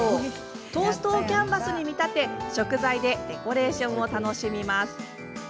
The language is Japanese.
トーストをキャンバスに見立て食材でデコレーションを楽しみます。